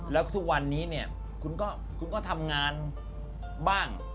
แล้วทุกวันนี้เนี่ยคุณก็ทำงานบ้าง